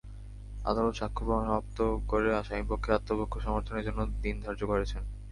আদালত সাক্ষ্য সমাপ্ত করে আসামিপক্ষের আত্মপক্ষ সমর্থনের জন্য দিন ধার্য করেছেন।